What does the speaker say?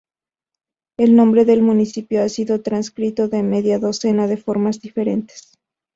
El nombre del municipio ha sido transcrito de media docena de formas diferentes.